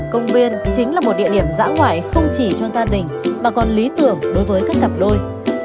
công biên chính là một địa điểm dã ngoại không chỉ cho gia đình mà còn lý tưởng đối với các cặp đôi